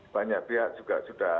banyak pihak juga sudah